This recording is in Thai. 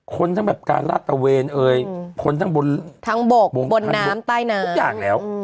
ทั้งแบบการลาดตะเวนเอ่ยคนทั้งบนทั้งบกบนน้ำใต้น้ำทุกอย่างแล้ว